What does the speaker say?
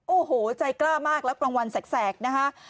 โอ้โหใจกล้ามากแล้วกลางวันแสกนะฮะ